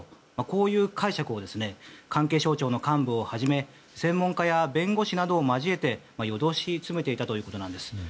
こういう解釈を関係省庁の幹部をはじめ専門家や弁護士などを交えて夜通し詰めていたということなんです。